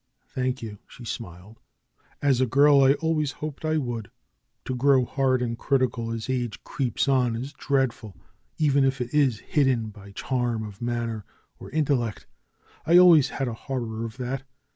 "Thank you," she smiled. "As a girl I always hoped I would. To grow hard and critical as age creeps on is dreadful; even if it is hidden by charm of manner or intellect. I always had a horror of that.